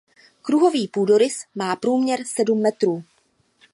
Kruhový půdorys má průměr sedm metrů.